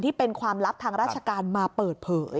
ที่เป็นความลับทางราชการมาเปิดเผย